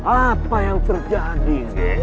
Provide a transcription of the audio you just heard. apa yang terjadi ger